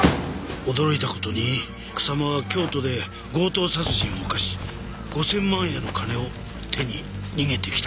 驚いた事に草間は京都で強盗殺人を犯し５千万円の金を手に逃げてきたところだった。